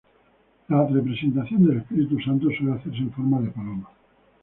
La representación del Espíritu Santo suele hacerse en forma de paloma.